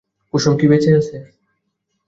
কুসুম কি বেঁচে আছে?